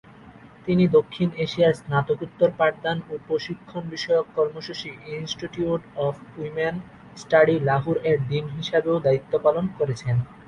তিনি দক্ষিণ এশিয়ার স্নাতকোত্তর পাঠদান ও প্রশিক্ষণ বিষয়ক কর্মসূচি "ইনস্টিটিউট অফ উইমেন স্টাডিজ লাহোর"-এর ডিন হিসাবেও দায়িত্ব পালন করেছেন।